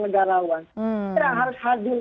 negarawan itu yang harus hadir